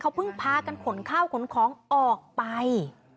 เขาเพิ่งพากันขนข้าวขนของออกไป